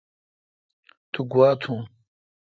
تو گوا تون؟